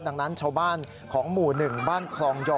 ดังนั้นชาวบ้านของหมู่๑บ้านคลองยอ